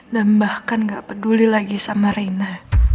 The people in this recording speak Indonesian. dan bahkan gak peduli lagi sama reina